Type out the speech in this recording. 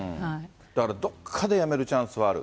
だからどっかでやめるチャンスはある。